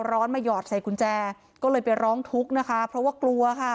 ร้อนมาหยอดใส่กุญแจก็เลยไปร้องทุกข์นะคะเพราะว่ากลัวค่ะ